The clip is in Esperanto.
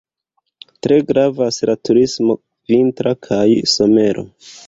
Tre gravas la turismo vintra kaj somera.